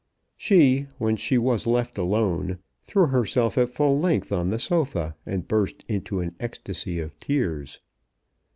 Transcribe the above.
She, when she was left alone, threw herself at full length on the sofa and burst into an ecstacy of tears.